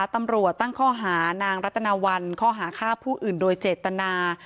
ตำรวจตั้งข้อหานางรัตนาวันข้อหาฆ่าผู้อื่นโดยเจตนา